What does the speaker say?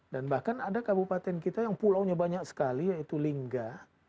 bahkan ada kabupaten kita yang pulaunya banyak sekali yaitu lingga